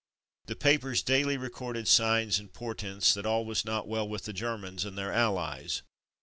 The papers daily recorded signs and portents that all was not well with the Germans and their Allies.